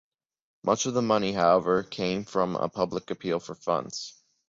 Much of the money, however, came from a public appeal for funds.